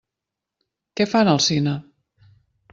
Què fan al cine?